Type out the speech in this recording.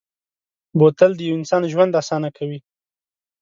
بوتل د یو انسان ژوند اسانه کوي.